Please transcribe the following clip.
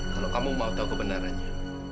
kalau kamu mau tahu kebenarannya